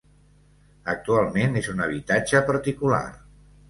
Actualment és un habitatge particular.